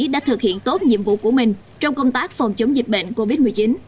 đã thực hiện tốt nhiệm vụ của mình trong công tác phòng chống dịch bệnh covid một mươi chín